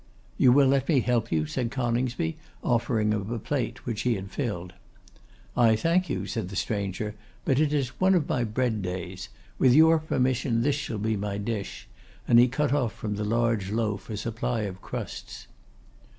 'You will let me help you?' said Coningsby, offering him a plate which he had filled. 'I thank you,' said the stranger, 'but it is one of my bread days. With your permission this shall be my dish;' and he cut from the large loaf a supply of crusts.